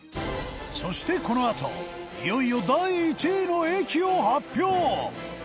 そして、このあといよいよ第１位の駅を発表！